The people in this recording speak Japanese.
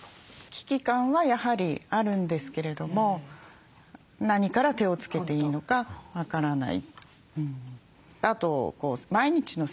危機感はやはりあるんですけれども何から手をつけていいのか分からない。